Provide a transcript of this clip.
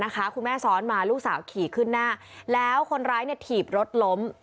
คุณแม่ซ้อนมาลูกสาวขี่ขึ้นหน้าแล้วคนร้ายถีบรถล้ม